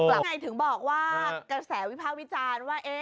แล้วไงถึงบอกว่ากระแสวิภาควิจารณ์ว่า